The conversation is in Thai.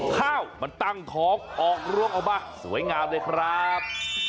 ข้าวมาตั้งของออกรวมเอาไหมสวยงามเลยครับ